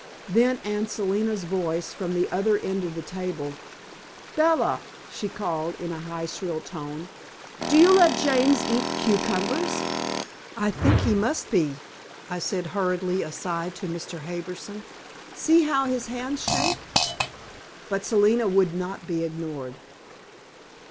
Then Aunt Selina's voice from the other end of the table: "Bella," she called, in a high shrill tone, "do you let James eat cucumbers?" "I think he must be," I said hurriedly aside to Mr. Harbison. "See how his hands shake!" But Selina would not be ignored.